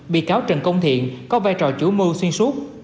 bị cáo trần công thiện có vai trò chủ mưu xuyên suốt